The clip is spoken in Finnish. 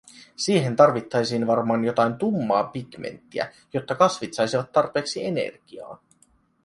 Siihen tarvittaisiin varmaan jotain tummaa pigmenttiä, jotta kasvit saisivat tarpeeksi energiaa.